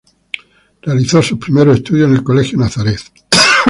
Realizó sus primeros estudios en el colegio Nazareth.